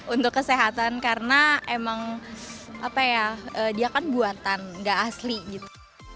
untuk kesehatan karena emang apa ya dia kan buatan gak asli gitu